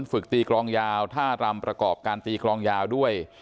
ฝึกตีกรองยาวท่ารำประกอบการตีกรองยาวด้วย